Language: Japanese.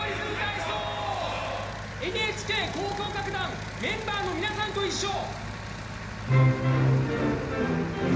ＮＨＫ交響楽団メンバーのみなさんといっしょ！